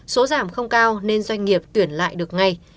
số giảm không cao nên doanh nghiệp tuyển lại được ngay